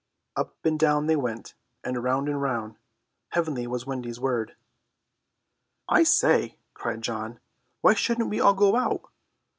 Up and down they went, and round and round. Heavenly was Wendy's word. "I say," cried John, "why shouldn't we all go out?"